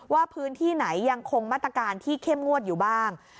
ว่าพื้นที่ไหนยังคงมาตรการที่เข้มงวดอยู่บ้าง